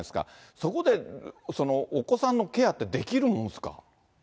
そこでお子さんのケアってできるもんですか。